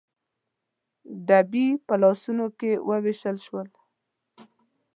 ډبي په لاسونو کې ووېشل شول.